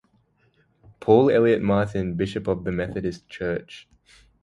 Paul Elliott Martin, Bishop of The Methodist Church.